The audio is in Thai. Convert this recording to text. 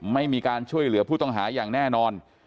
ไม่มีการช่วยเหลือผู้ต้องหาอย่างแน่นอน